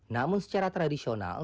namun secara tradisional